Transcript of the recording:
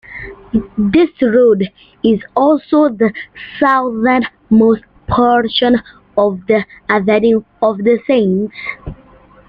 This road is also the southernmost portion of the Avenue of the Saints.